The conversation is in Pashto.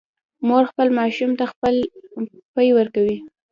مور خپل ماشوم ته خپل پی ورکوي